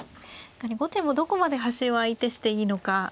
後手もどこまで端を相手していいのか。